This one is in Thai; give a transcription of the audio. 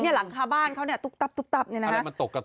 หลังคาบ้านเขาตุ๊กตับนี่นะครับ